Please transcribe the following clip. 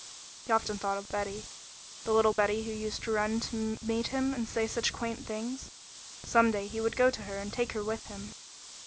He often thought of Betty, the little Betty who used to run to meet him and say such quaint things; some day he would go to her and take her with him.